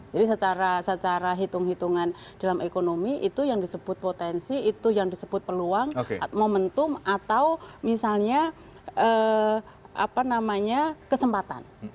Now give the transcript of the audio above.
jadi secara hitung hitungan dalam ekonomi itu yang disebut potensi itu yang disebut peluang momentum atau misalnya kesempatan